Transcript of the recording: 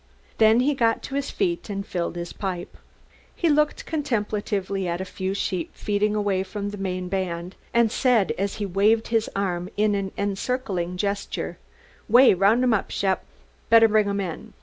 Then he got to his feet and filled his pipe. He looked contemplatively at a few sheep feeding away from the main band and said as he waved his arm in an encircling gesture: "Way 'round 'em, Shep! Better bring 'em in."